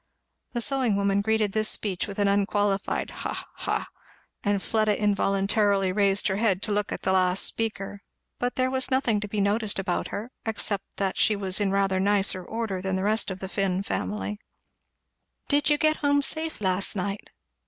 The sewing woman greeted this speech with an unqualified ha! ha! and Fleda involuntarily raised her head to look at the last speaker; but there was nothing to be noticed about her, except that she was in rather nicer order than the rest of the Finn family. "Did you get home safe last night?"